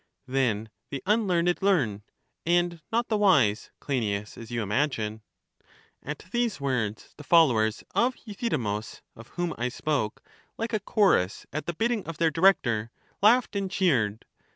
Then the unlearned learn, and not the wise, Cleinias, as you imagine. At these words the followers of Euthydemus, of whom I spoke, like a chorus at the bidding of their director, laughed and cheered.